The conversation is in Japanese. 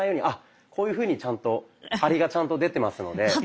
あっこういうふうにちゃんと張りがちゃんと出てますので。